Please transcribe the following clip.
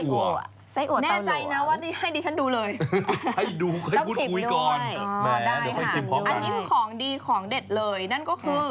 อันนี้เป็นใส้อก่ว